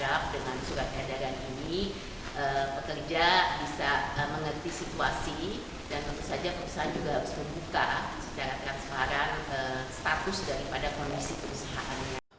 saya berharap dengan surat edaran ini pekerja bisa mengerti situasi dan tentu saja perusahaan juga harus membuka secara transparan status daripada kondisi perusahaannya